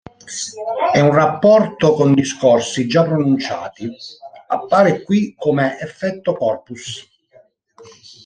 È un rapporto con discorsi già pronunciati; appare qui come “effetto corpus”.